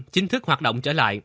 chính thức hoạt động